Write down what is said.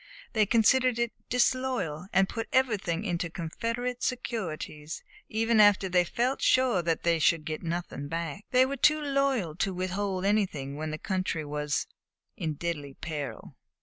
They considered it disloyal, and they put everything into Confederate securities even after they felt sure they should get nothing back. They were too loyal to withhold anything when the country was in deadly peril."